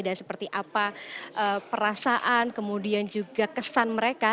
dan seperti apa perasaan kemudian juga kesan mereka